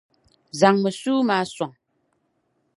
Zaŋmi sua maa sɔŋ!